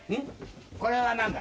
これは何だ？